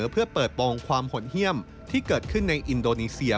เพื่อเปิดโปรงความหดเยี่ยมที่เกิดขึ้นในอินโดนีเซีย